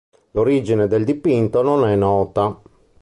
L'origine del dipinto non è nota.